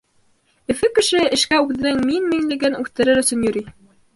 Өфө кешеһе эшкә үҙенең мин-минлеген үҫтерер өсөн йөрөй.